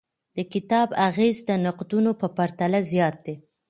د کتاب اغیز د نقدونو په پرتله زیات دی.